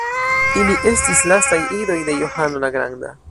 Ili estis lastaj idoj de Johano la Granda.